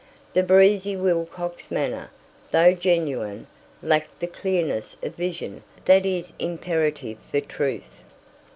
The breezy Wilcox manner, though genuine, lacked the clearness of vision that is imperative for truth.